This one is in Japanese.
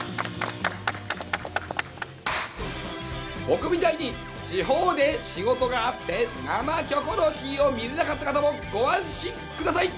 僕みたいに地方で仕事があって「生キョコロヒー」を見れなかった方もご安心ください！